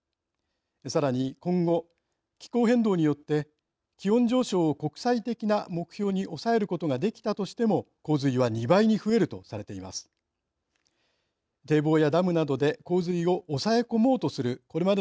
さらに今後、気候変動によって気温上昇を国際的な目標に抑えることができたとしても洪水は２倍に増えるとされています。